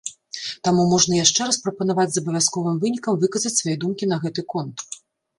Таму можна яшчэ раз прапанаваць з абавязковым вынікам выказаць свае думкі на гэты конт.